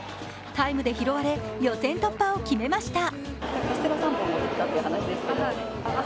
タイムで拾われ予選突破を決めました。